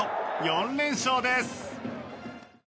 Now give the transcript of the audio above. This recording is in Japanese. ４連勝です。